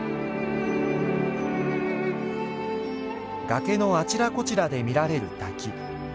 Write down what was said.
崖のあちらこちらで見られる滝。